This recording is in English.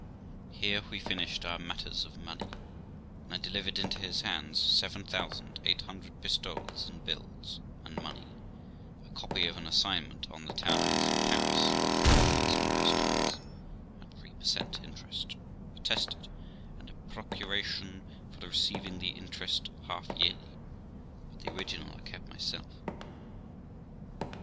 Here we finished our matters of money, and I delivered into his hands seven thousand eight hundred pistoles in bills and money, a copy of an assignment on the townhouse of Paris for four thousand pistoles, at 3 per cent, interest, attested, and a procuration for receiving the interest half yearly; but the original I kept myself.